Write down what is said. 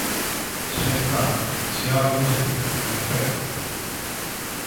Xa está, xa a coñecen, perfecto.